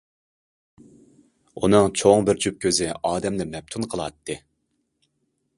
ئۇنىڭ چوڭ بىر جۈپ كۆزى ئادەمنى مەپتۇن قىلاتتى.